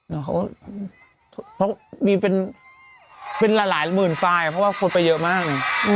เพราะมีเป็นหลายหมื่นไซม์เพราะว่าคนไปเยอะมาก